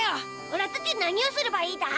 おらたち何をすればいいだ？